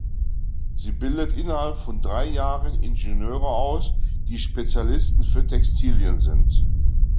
Sie bildet innerhalb von drei Jahren Ingenieure aus, die Spezialisten für Textilien sind.